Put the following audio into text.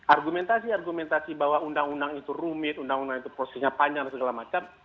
argumentasi argumentasi bahwa undang undang itu rumit undang undang itu prosesnya panjang dan segala macam